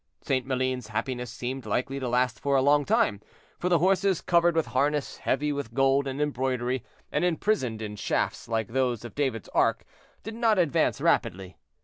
'" St. Maline's happiness seemed likely to last for a long time, for the horses, covered with harness heavy with gold and embroidery, and imprisoned in shafts like those of David's ark, did not advance rapidly.